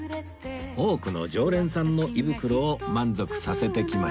多くの常連さんの胃袋を満足させてきました